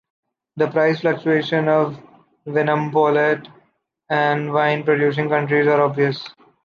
The price fluctuations of Vinmonopolet and wine-producing countries are obvious.